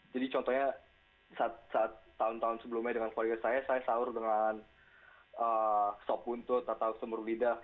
contohnya saat tahun tahun sebelumnya dengan keluarga saya saya sahur dengan sop buntut atau semur lidah